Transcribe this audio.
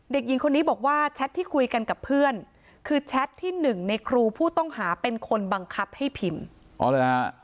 เด็กหญิงคนนี้บอกว่าแชทที่คุยกันกับเพื่อนคือแชทที่หนึ่งในครูผู้ต้องหาเป็นคนบังคับให้พิมพ์อ๋อเลยฮะ